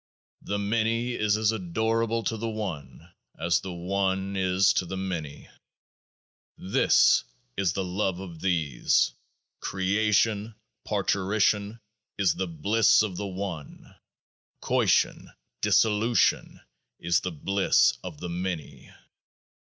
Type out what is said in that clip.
4 The Many is as adorable to the One as the One is to the Many. This is the Love of These ; creation parturition is the Bliss of the One ; coition dissolution is the Bliss of the Many.